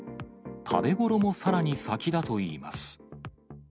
食べ頃もさらに先だといいます。